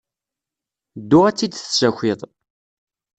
Ddu ad tt-id-tessakiḍ.